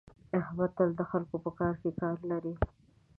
احمد تل د خلکو په کار کې کار لري.